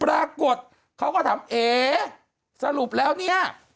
ปรากฏเขาก็ถามเอ๊สรุปแล้วเนี่ย